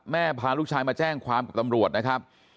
พาลูกชายมาแจ้งความกับตำรวจนะครับ